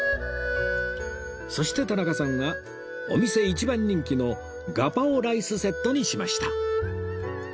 そして田中さんはお店一番人気のガパオライスセットにしました